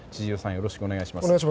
よろしくお願いします。